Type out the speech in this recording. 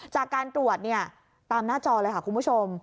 จากการตรวจเนี่ยตามหน้าจอเลยค่ะคุณผู้ชม